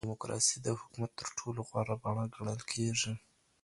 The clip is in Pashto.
ډيموکراسي د حکومت تر ټولو غوره بڼه ګڼل کېږي.